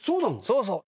そうそう。